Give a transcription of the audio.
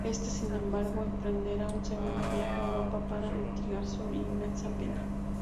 Este, sin embargo, emprenderá un segundo viaje a Europa para mitigar su inmensa pena.